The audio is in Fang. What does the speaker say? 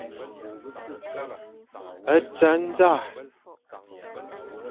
A tsa ndzaʼa.